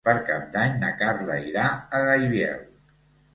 Per Cap d'Any na Carla irà a Gaibiel.